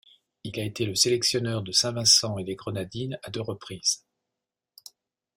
Il a été le sélectionneur de Saint-Vincent-et-les-Grenadines à deux reprises.